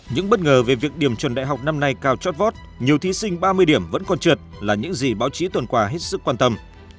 những bất ngờ về việc điểm chuẩn đại học năm nay cao chót vót nhiều thí sinh ba mươi điểm vẫn còn trượt là những gì báo chí tuần qua hết sức quan tâm